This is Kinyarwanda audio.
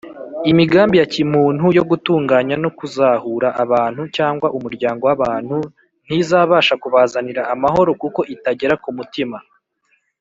imigambi ya kimuntu yo gutunganya no kuzahura abantu cyangwa umuryango w’abantu ntizabasha kubazanira amahoro kuko itagera ku mutima